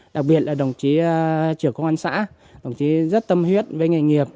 đặc biệt là đồng chí trưởng công an xã đồng chí rất tâm huyết với nghề nghiệp